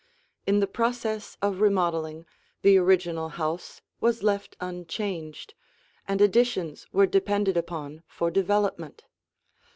In the process of remodeling, the original house was left unchanged, and additions were depended upon for development.